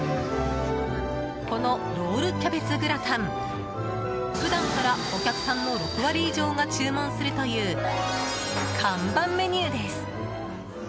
このロールキャベツグラタン普段からお客さんの６割以上が注文するという看板メニューです。